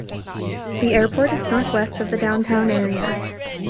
The airport is northwest of the downtown area.